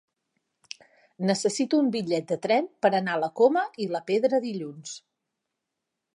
Necessito un bitllet de tren per anar a la Coma i la Pedra dilluns.